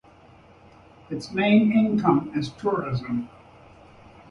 Its main income is tourism.